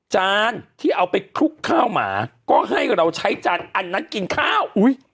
จานที่เอาไปคลุกข้าวหมาก็ให้เราใช้จานอันนั้นกินข้าวอุ้ย